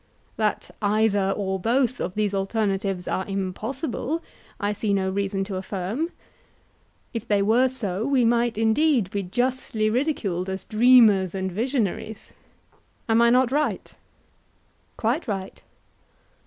That either or both of these alternatives are impossible, I see no reason to affirm: if they were so, we might indeed be justly ridiculed as dreamers and visionaries. Am I not right? Quite right.